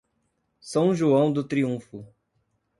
São João do Triunfo